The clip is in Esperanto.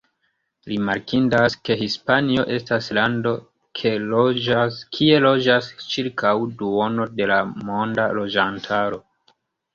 Rimarkindas, ke Hispanio estas lando kie loĝas ĉirkaŭ duono de la monda loĝantaro.